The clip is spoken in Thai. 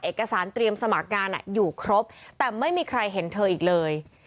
เอกสารเตรียมสมัครงานอยู่ครบแต่ไม่มีใครเห็นเธออีกเลย